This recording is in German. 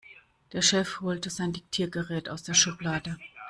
Der Chef holte sein Diktiergerät aus der Schublade.